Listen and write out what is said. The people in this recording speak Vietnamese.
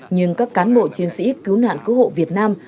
nhưng các cán bộ chiến sĩ cứu nạn cứu hộ việt nam